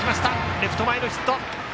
レフト前ヒット！